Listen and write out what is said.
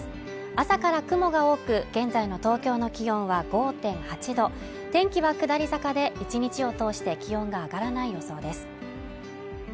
朝から雲が多く現在の東京の気温は５．８度天気は下り坂で１日を通して気温が上がらない予想です